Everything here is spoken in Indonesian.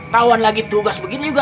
kawan lagi tugas begini juga